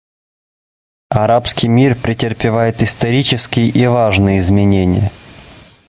Арабский мир претерпевает исторические и важные изменения.